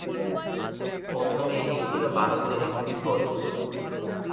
প্রথমে এটি ছিল ভারতের একটি প্রদেশ।